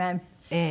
ええ。